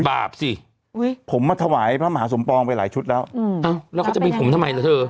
บาปสิผมมาถวายพระมหาสมปองไปหลายชุดแล้วแล้วเขาจะมีผมทำไมเหรอเธอ